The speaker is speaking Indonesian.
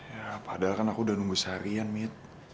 ya padahal kan aku udah nunggu seharian mit